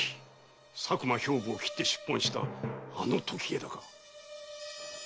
佐久間兵部を斬って出奔したあの時枝か？